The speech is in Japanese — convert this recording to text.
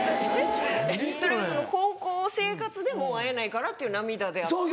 それは高校生活でもう会えないからっていう涙であって。